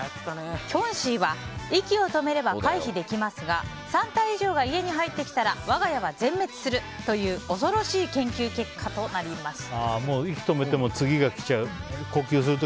キョンシーは息を止めれば回避できますが３体以上が家に入ってきたら我が家は全滅するという恐ろしい研究結果となりました。